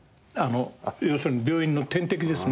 要するに病院の点滴ですね。